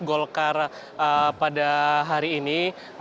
golkar pada hari ini